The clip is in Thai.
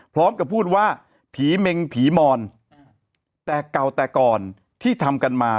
พร้อมกับพูดว่าผีเมงผีมอนแต่เก่าแต่ก่อนที่ทำกันมา